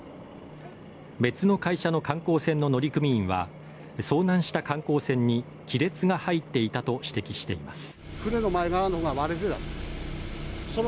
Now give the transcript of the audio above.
別の会社の観光船の乗組員は遭難した観光船に亀裂が入っていたと指摘しています。